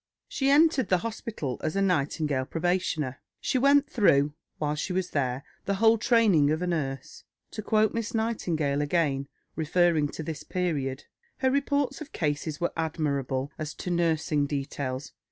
She entered the hospital as a "Nightingale probationer." She went through, while she was there, the whole training of a nurse. To quote Miss Nightingale again, referring to this period, "Her reports of cases were admirable as to nursing details.